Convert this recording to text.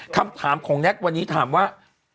คำถามของแน็กวันนี้ถามว่า